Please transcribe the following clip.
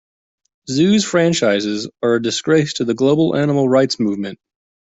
Zoos franchises are a disgrace to the global animal rights movement.